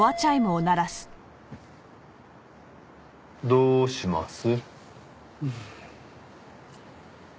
どうします？